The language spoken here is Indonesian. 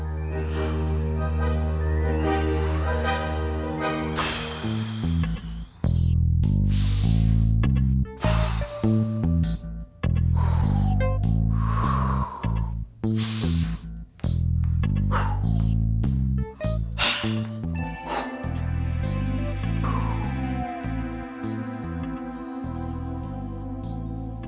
sampai jumpa lagi